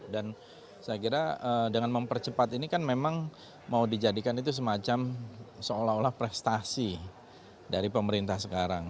dan saya kira dengan mempercepat ini kan memang mau dijadikan itu semacam seolah olah prestasi dari pemerintah sekarang